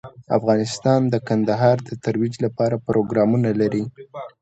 افغانستان د کندهار د ترویج لپاره پروګرامونه لري.